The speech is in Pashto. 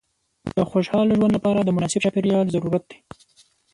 د خوشحاله ژوند لپاره د مناسب چاپېریال ضرورت دی.